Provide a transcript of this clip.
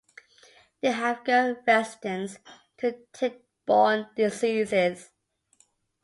They have good resistance to tick-borne diseases.